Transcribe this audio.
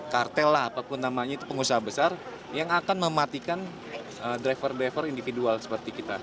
kartel lah apapun namanya itu pengusaha besar yang akan mematikan driver driver individual seperti kita